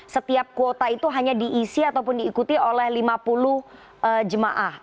setiap kuota itu hanya diisi ataupun diikuti oleh lima puluh jemaah